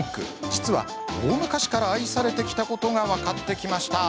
実は大昔から愛されてきたことが分かってきました。